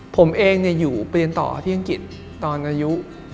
ผมเองอยู่เรียนต่อที่อังกฤษตอนอายุ